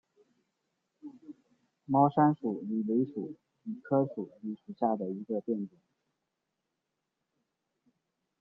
毛山鼠李为鼠李科鼠李属下的一个变种。